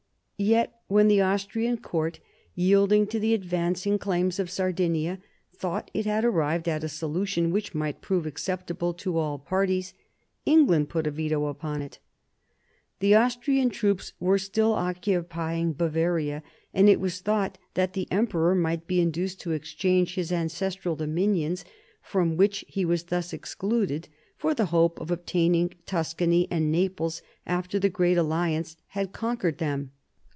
Yet when the Austrian court* yielding to the advancing claims of Sardinia, thought it had arrived at a solution which might prove acceptable to all parties, England put a veto upon it. The Austrian troops were still occupying Bavaria, and it was thought that the emperor might be induced to exchange his ancestral dominions from which he was thus excluded, for the hope of obtaining Tuscany and Naples after the great alliance had conquered them.